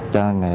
cho người ta